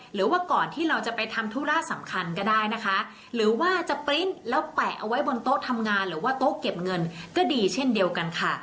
หรือว่าก่อนที่เราจะไปทำธุระสำคัญก็ได้นะคะหรือว่าจะปริ้นต์แล้วแปะเอาไว้บนโต๊ะทำงานหรือว่าโต๊ะเก็บเงินก็ดีเช่นเดียวกันค่ะ